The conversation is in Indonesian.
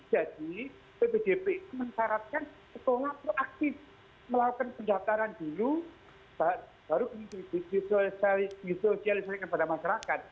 jadi pbdp mensyaratkan sekolah proaktif melakukan pendaftaran dulu baru disosialisasikan kepada masyarakat